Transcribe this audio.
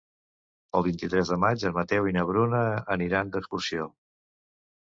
El vint-i-tres de maig en Mateu i na Bruna aniran d'excursió.